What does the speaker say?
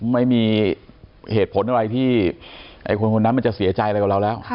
ไม่มีเหตุผลอะไรที่ไอ้คนคนนั้นมันจะเสียใจอะไรกับเราแล้ว